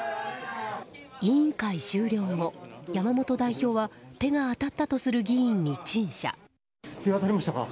委員会終了後、山本代表は手が当たったとする議員に陳謝。